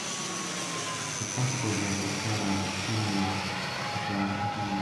The principal work was carried out by Ken Louth at Louth Automation.